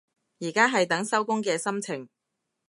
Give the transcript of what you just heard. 而家係等收工嘅心情